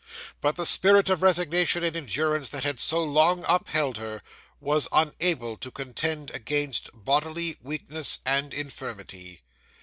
'But the spirit of resignation and endurance that had so long upheld her, was unable to contend against bodily weakness and infirmity.